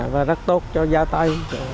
và rất tốt cho da tay